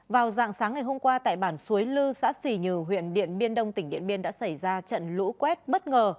vào dạng sáng ngày hôm qua tại bản suối lư xã phì nhừ huyện điện biên đông tỉnh điện biên đã xảy ra trận lũ quét bất ngờ